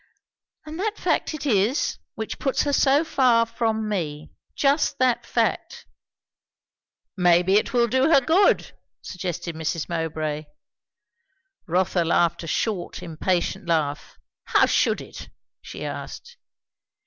"And that fact it is, which puts her so far from me. Just that fact." "Maybe it will do her good," suggested Mrs. Mowbray. Rotha laughed a short, impatient laugh. "How should it?" she asked.